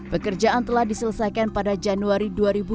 pekerjaan telah diselesaikan pada januari dua ribu dua puluh